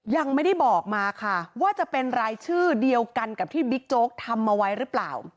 ยังไม่ได้บอกมาค่ะว่าจะเป็นรายชื่อเดียวกันกับที่บิ๊กโจ๊กทำเอาไว้หรือเปล่า